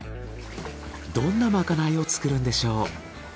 どんなまかないを作るんでしょう。